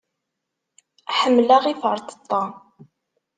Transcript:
Ḥemmleɣ iferṭeṭṭa.